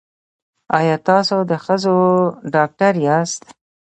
ایا تاسو د ښځو ډاکټر یاست؟